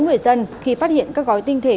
người dân khi phát hiện các gói tinh thể